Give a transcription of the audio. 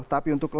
tapi untuk lagi